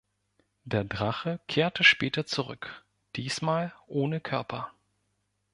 Der Drache kehrte später zurück, diesmal ohne Körper.